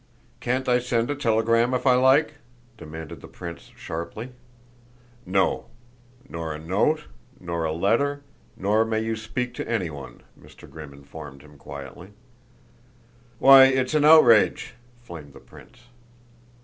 "Can't I send a telegram if I like?" demanded the prince sharply. "No, nor a note, nor a letter, nor may you speak to any one," Mr. Grimm informed him quietly. "Why, it's an outrage!" flamed the prince.